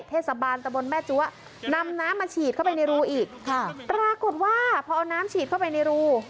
เทศบาลตะบนแม่จั๊วนำน้ำมาฉีดเข้าไปในรูอีกค่ะปรากฏว่าพอเอาน้ำฉีดเข้าไปในรู